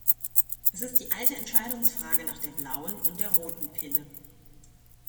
Es ist die alte Entscheidungsfrage nach der blauen und der roten Pille.